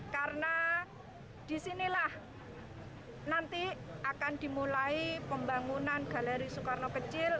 karena di sinilah nanti akan dimulai pembangunan galeri soekarno kecil